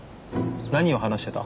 何を話してた？